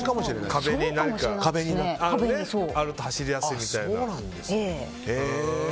壁に何かあると走りやすいみたいなね。